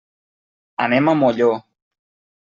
Anem a Molló.